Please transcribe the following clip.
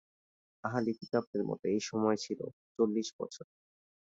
আহলি কিতাবদের মতে, এই সময় ছিল চল্লিশ বছর।